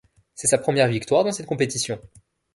C'est sa première victoire dans cette compétition.